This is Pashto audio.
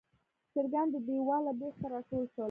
چرګان د دیواله بیخ ته راټول ول.